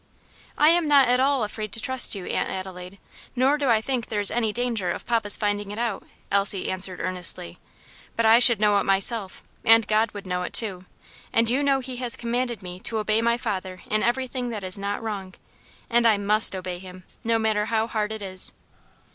"I am not at all afraid to trust you, Aunt Adelaide, nor do I think there is any danger of papa's finding it out," Elsie answered earnestly; "but I should know it myself, and God would know it, too, and you know he has commanded me to obey my father in everything that is not wrong; and I must obey him, no matter how hard it is."